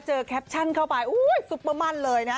แคปชั่นเข้าไปอุ้ยซุปเปอร์มั่นเลยนะ